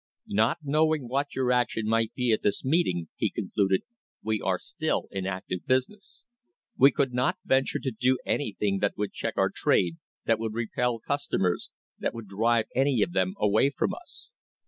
"Not knowing what your action might be at this meeting," he concluded, "we are still in active business. We could not venture to do any thing that would check our trade, that would repel customers, that would drive any of them away from us.